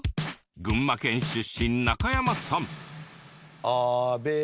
群馬県出身中山さん。